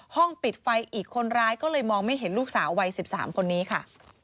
ห้องปิดไฟอีกคนร้ายก็เลยมองไม่เห็นลูกสาววัย๑๓คนนี้ค่ะ